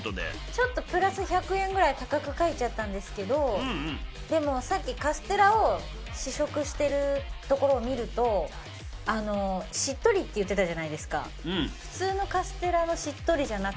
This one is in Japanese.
ちょっとプラス１００円ぐらい高く書いちゃったんですけどでもさっきカステラを試食してるところを見るとあのしっとりって言ってたじゃないですか。